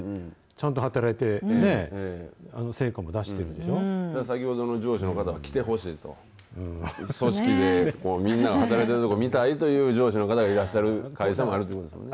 ちゃんと働いてね、成果も出して先ほどの上司の方、来てほしいと、組織でみんなが働いてるとこ、見たいという上司の方がいらっしゃる会社もあるということですね。